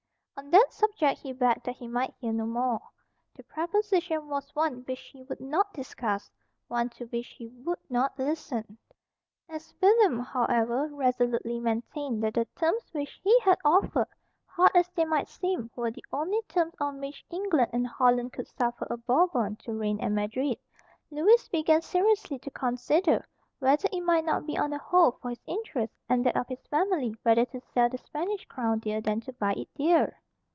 On that subject he begged that he might hear no more. The proposition was one which he would not discuss, one to which he would not listen. As William, however, resolutely maintained that the terms which he had offered, hard as they might seem, were the only terms on which England and Holland could suffer a Bourbon to reign at Madrid, Lewis began seriously to consider, whether it might not be on the whole for his interest and that of his family rather to sell the Spanish crown dear than to buy it dear.